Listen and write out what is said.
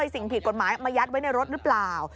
สิ่งผิดกฎหมายมายัดไว้ในรถหรือเปล่า